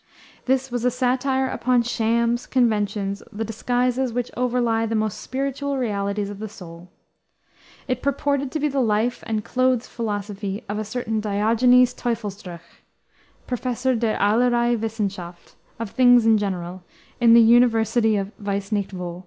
This was a satire upon shams, conventions, the disguises which overlie the most spiritual realities of the soul. It purported to be the life and "clothes philosophy" of a certain Diogenes Teufelsdröckh, Professor der Allerlei Wissenschaft of things in general in the University of Weissnichtwo.